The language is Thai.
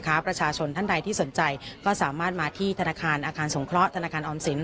เพราะว่าประชาชนท่านใดที่สนใจก็สามารถมาที่ธนาคารอาคารสงครบธนาคารออมศิลป์